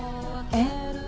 えっ？